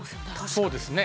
そうですね。